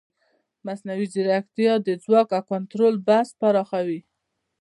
مصنوعي ځیرکتیا د ځواک او کنټرول بحث پراخوي.